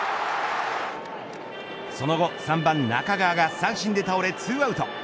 その後、３番中川が三振で倒れ２アウト。